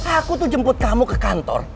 aku tuh jemput kamu ke kantor